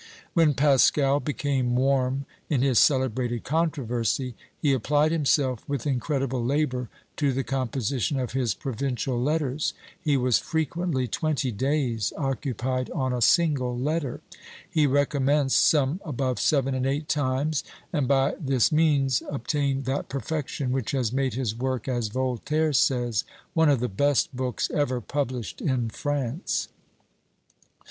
When Pascal became warm in his celebrated controversy, he applied himself with incredible labour to the composition of his "Provincial Letters." He was frequently twenty days occupied on a single letter. He recommenced some above seven and eight times, and by this means obtained that perfection which has made his work, as Voltaire says, "one of the best books ever published in France."